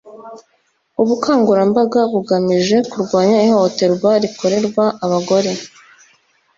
ubukangurambaga bugamije kurwanya ihohoterwa rikorerwa abagore